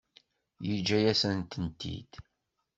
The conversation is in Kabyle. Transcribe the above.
Yeǧǧa-yasen-tent-id?